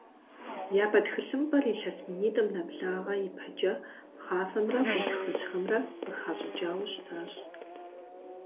Япэ тхылъымпӏэр илъэс минитӏым нэблагъэ ипэкӏэ пхъафэмрэ къунтхыжьхэмрэ къыхащӏыкӏауэ щытащ.